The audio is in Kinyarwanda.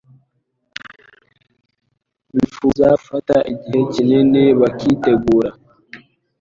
bifuza gufata igihe kinini bakitegura